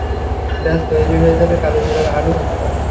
ব্যাস তৈরি হয়ে যাবে কালোজিরায় আলু ভর্তা।